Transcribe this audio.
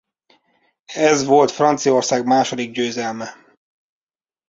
Ez volt Franciaország második győzelme.